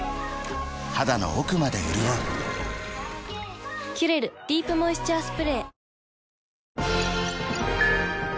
肌の奥まで潤う「キュレルディープモイスチャースプレー」